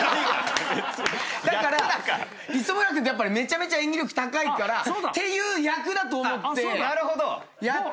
だから磯村君ってやっぱりめちゃめちゃ演技力高いからっていう役だと思ってやっちゃえば。